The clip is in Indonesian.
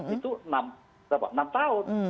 itu enam tahun